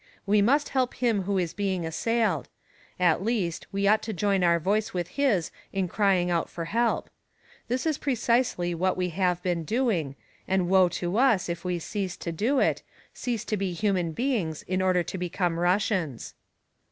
We must help him who is being assailed. At least, we ought to join our voice with his in crying out for help. This is precisely what we have been doing, and woe to us, if we cease to do it, cease to be human beings in order to become Russians.